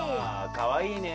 かわいいねえ。